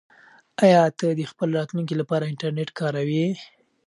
آیا ته د خپل راتلونکي لپاره انټرنیټ کاروې؟